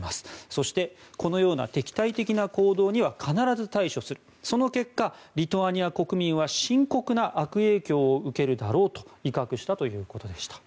そして、このような敵対的な行動には必ず対処するその結果、リトアニア国民は深刻な悪影響を受けるだろうと威嚇したということでした。